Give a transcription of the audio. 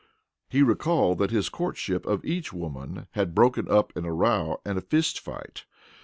He recalled that his courtship of each woman had broken up in a row and a fist fight.